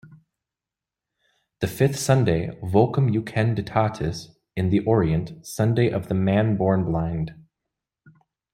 The fifth Sunday, "Vocem jucunditatis" in the Orient, Sunday of the Man Born Blind.